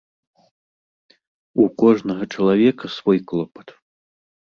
У кожнага чалавека свой клопат.